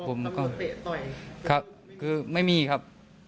คือไม่มีครับ